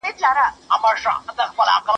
صدقه د الله د خوشحالۍ سبب ده.